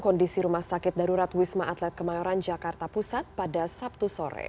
kondisi rumah sakit darurat wisma atlet kemayoran jakarta pusat pada sabtu sore